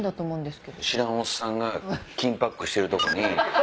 知らんおっさんが金パックしてるとこに